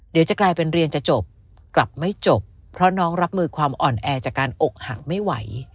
เดี๋ยวจะกลายเป็นเรียนจะจบกลับไม่จบเพราะน้องรับมือความอ่อนแอจากการอกหักไม่ไหว